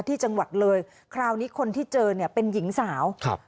ที่จังหวัดเลยคราวนี้คนที่เจอเนี่ยเป็นหญิงสาวครับ